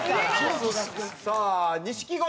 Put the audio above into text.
さあ錦鯉。